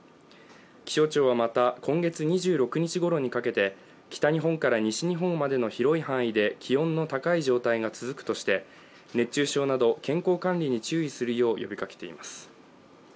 気象庁はまた、今月２６日ごろにかけて北日本から西日本までの広い範囲で気温の高い状態が続くとして熱中症など健康管理に注意するよう呼びかけています。